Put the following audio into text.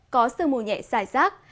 có sương mù nhẹ rải rác